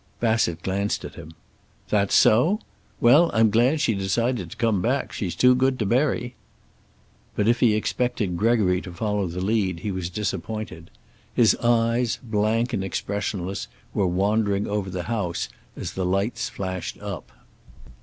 Bassett glanced at him. "That so? Well, I'm glad she decided to come back. She's too good to bury." But if he expected Gregory to follow the lead he was disappointed. His eyes, blank and expressionless, were wandering over the house as the lights flashed up.